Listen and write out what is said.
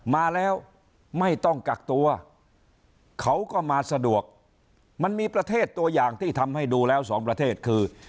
มาแล้วไม่ต้องกักตัวเขาก็มาสะดวกมันมีประเทศตัวอย่างที่ทำให้ดูแล้วสองประเทศคือ